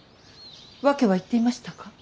訳は言っていましたか。